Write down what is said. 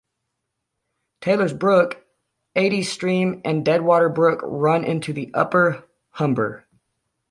Taylor's Brook, Aidies Stream and Dead Water Brook run into the upper Humber.